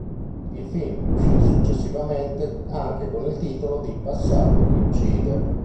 Il film uscì successivamente anche con il titolo di Passato che uccide.